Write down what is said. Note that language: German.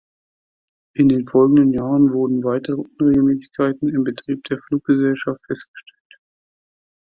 In den folgenden Jahren wurden weitere Unregelmäßigkeiten im Betrieb der Fluggesellschaft festgestellt.